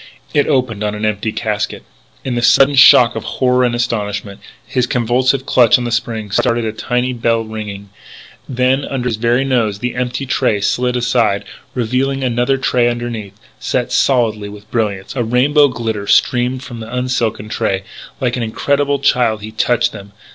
It opened on an empty casket. In the sudden shock of horror and astonishment, his convulsive clutch on the spring started a tiny bell ringing. Then, under his very nose, the empty tray slid aside revealing another tray underneath, set solidly with brilliants. A rainbow glitter streamed from the unset gems in the silken tray. Like an incredulous child he touched them.